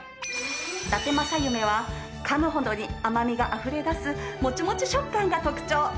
だて正夢はかむほどに甘みがあふれ出すもちもち食感が特長。